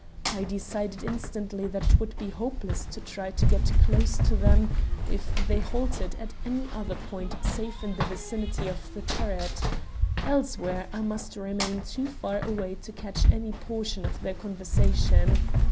I decided instantly that it would be hopeless to try to get close to them if they halted at any other point save in the vicinity of the turret. Elsewhere I must remain too far away to catch any portion of their conversation.